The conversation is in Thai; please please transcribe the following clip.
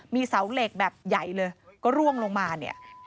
มีเสาเหล็กแบบใหญ่เลยก็ร่วงลงมาเนี่ย